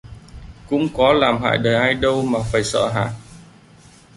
Cũng có làm hại đời ai đâu mà phải sợ hả